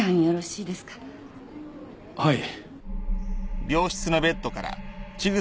はい。